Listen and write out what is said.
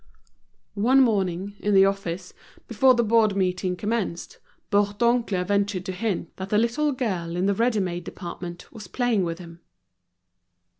One morning, in the office, before the board meeting commenced, Bourdoncle ventured to hint that the little girl in the ready made department was playing with him.